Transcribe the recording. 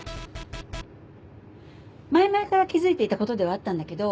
前々から気付いていたことではあったんだけど。